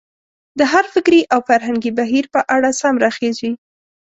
د هر فکري او فرهنګي بهیر په اړه سم راخېژي.